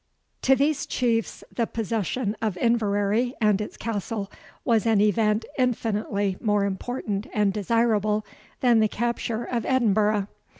To these Chiefs the possession of Inverary and its castle was an event infinitely more important and desirable than the capture of Edinburgh.